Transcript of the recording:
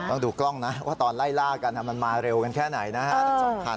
ต้องดูกล้องนะว่าตอนไล่ล่ากันมันมาเร็วกันแค่ไหนนะฮะทั้งสองคัน